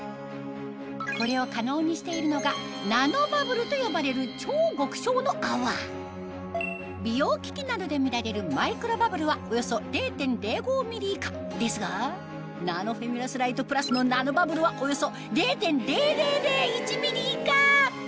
これを可能にしているのがナノバブルと呼ばれる超極小の泡美容機器などで見られるマイクロバブルはおよそ０．０５ミリ以下ですがナノフェミラスライトプラスのナノバブルはおよそ０．０００１ミリ以下！